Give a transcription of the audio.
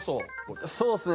そうですね。